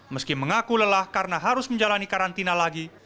meski mengaku lelah karena harus menjalani karantina lagi